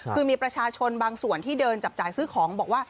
คือมีประชาชนบางส่วนที่เดินจับจ่ายซื้อของบอกว่า